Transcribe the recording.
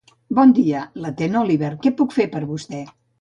Bon dia, l'atén Oliver, què puc fer per vostè?